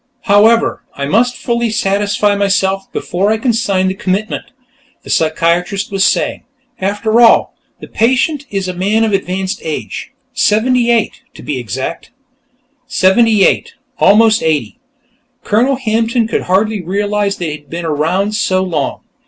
"... however, I must fully satisfy myself, before I can sign the commitment," the psychiatrist was saying. "After all, the patient is a man of advanced age. Seventy eight, to be exact." Seventy eight; almost eighty. Colonel Hampton could hardly realize that he had been around so long.